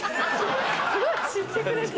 すごい知ってくれてる。